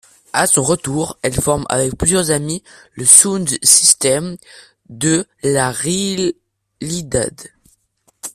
À son retour, elle forme avec plusieurs amis le Sound System de La Realidad.